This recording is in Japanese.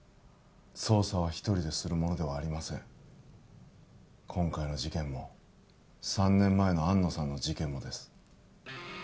捜査は一人でするものではありません今回の事件も３年前の安野さんの事件もです